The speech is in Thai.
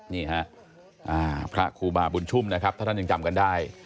นี่ฮะพระครูบาบุญชุ่มนะครับถ้าท่านยังจำกันได้